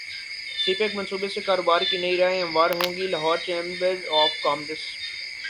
سی pack منصوبے سے کاروبار کی نئی راہیں ہموار ہوں گی لاہور چیمبر اف کامرس